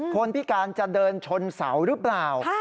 คนพิการจะเดินชนเสาหรือเปล่า